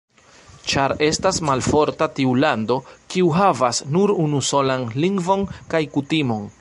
Ĉar estas malforta tiu lando, kiu havas nur unusolan lingvon kaj kutimon.